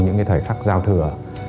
những thời khắc giao thừa